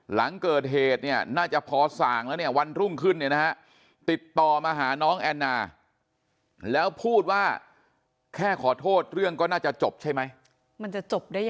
หลังเกิดเหตุเนี่ยน่าจะพอส่างแล้วเนี่ย